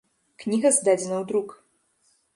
Кніга здадзена ў друк.